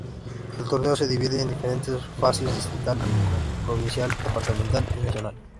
El torneo se divide en diferentes fases: Distrital, Provincial, Departamental y Nacional.